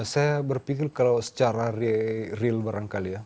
saya berpikir kalau secara real barangkali ya